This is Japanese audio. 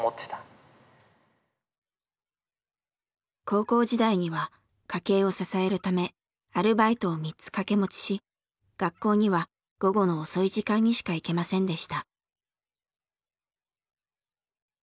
高校時代には家計を支えるためアルバイトを３つ掛け持ちし学校には午後の遅い時間にしか行けませんでした。